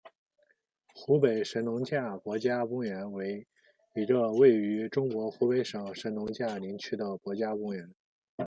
湖北神农架国家公园为一个位于中国湖北省神农架林区的国家公园。